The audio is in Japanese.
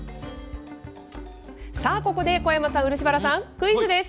さあ、ここで小山さん、漆原さん、クイズです。